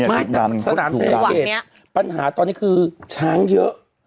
เมื่อกี้ปัญหาตอนนี้คือช้างเยอะ